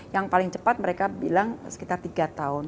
yang paling cepat mereka bilang sekitar tiga tahun